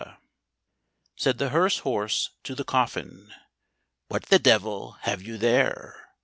Said the hearse horse to the coffin, "What the devil have you there?